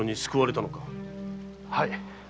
はい。